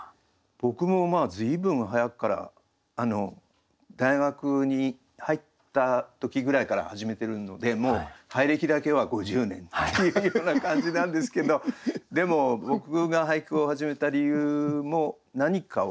僕も随分早くから大学に入った時ぐらいから始めてるのでもう俳歴だけは５０年っていうような感じなんですけどでも僕が俳句を始めた理由も何かを。